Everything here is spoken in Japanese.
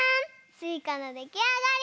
すいかのできあがり！